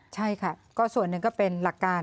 ใช่ค่ะก็ส่วนหนึ่งก็เป็นหลักการ